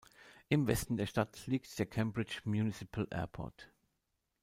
Im Westen der Stadt liegt der "Cambridge Municipal Airport".